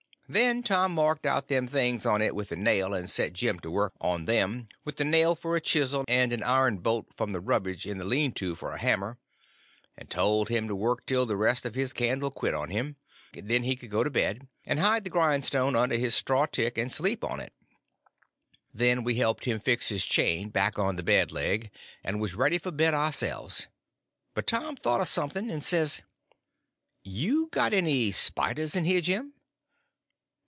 Then Tom marked out them things on it with the nail, and set Jim to work on them, with the nail for a chisel and an iron bolt from the rubbage in the lean to for a hammer, and told him to work till the rest of his candle quit on him, and then he could go to bed, and hide the grindstone under his straw tick and sleep on it. Then we helped him fix his chain back on the bed leg, and was ready for bed ourselves. But Tom thought of something, and says: "You got any spiders in here, Jim?"